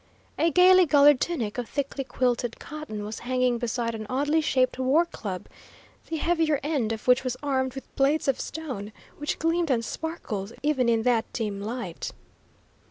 A gaily colored tunic of thickly quilted cotton was hanging beside an oddly shaped war club, the heavier end of which was armed with blades of stone which gleamed and sparkled even in that dim light.